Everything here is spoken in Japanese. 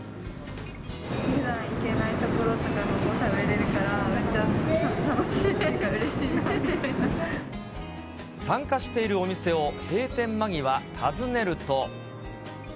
ふだん行けない所とかのも食楽しいというか、うれしいな参加しているお店を閉店間際、訪ねると。